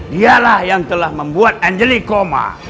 dialah yang telah membuat angel li koma